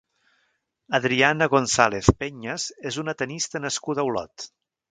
Adriana González Peñas és una tennista nascuda a Olot.